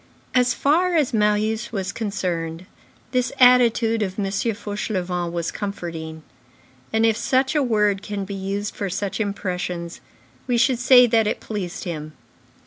As far as Marius was concerned, this attitude of M. Fauchelevent was comforting, and, if such a word can be used for such impressions, we should say that it pleased him.